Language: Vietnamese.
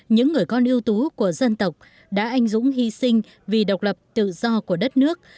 những người con ưu tú của dân tộc đã anh dũng hy sinh vì độc lập tự do của đất nước